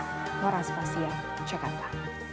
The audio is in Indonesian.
noras fasya jakarta